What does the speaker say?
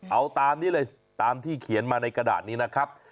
เอาตามนี้เลยตามที่เขียนมาในกระดาษนี้นะครับ